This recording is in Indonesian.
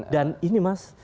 dan ini mas